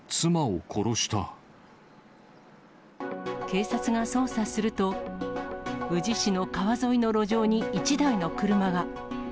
警察が捜査すると、宇治市の川沿いの路上に１台の車が。